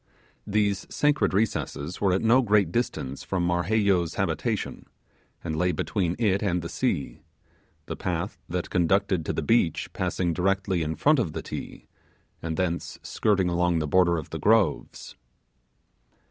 These sacred recesses were at no great distance from Marheyo's habitation, and lay between it and the sea; the path that conducted to the beach passing directly in front of the Ti, and thence skirting along the border of the groves.